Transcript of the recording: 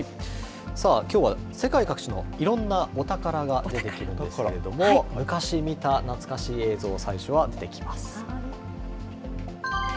きょうは世界各地のいろんなお宝が出てくるんですけれども、昔見た懐かしい映像、最初は出てきます。